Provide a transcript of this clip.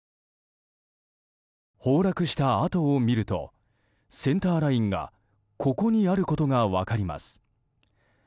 崩落した跡を見るとセンターラインがここにあることが分かります。